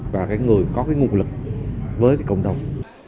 và người có nguồn lực với cộng đồng